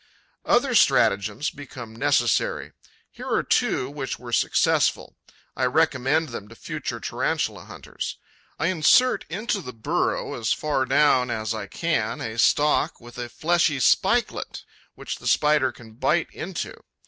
Other stratagems become necessary. Here are two which were successful: I recommend them to future Tarantula hunters. I insert into the burrow, as far down as I can, a stalk with a fleshy spikelet, which the Spider can bite into.